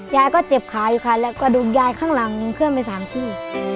ยายก็เจ็บขาอยู่ค่ะแล้วกระดูกยายข้างหลังเคลื่อนไปสามซี่